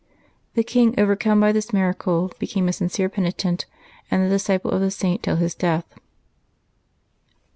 The king, overcome by this miracle, became a sincere penitent and the disciple of the Saint till his death.